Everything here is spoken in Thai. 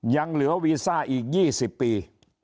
ยังเหลือวีซ่าอีก๒๐ปี